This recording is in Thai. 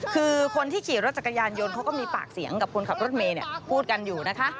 คือคนที่ขี่รถจักรยานยนต์เขาก็มีปากเสียงกับคนขับรถเมย์พูดกันอยู่นะคะ